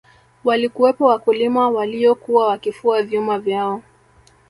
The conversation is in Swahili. walikuwepo wakulima waliyokuwa wakifua vyuma vyao